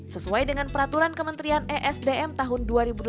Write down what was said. sesuai dengan peraturan kementerian esdm tahun dua ribu delapan belas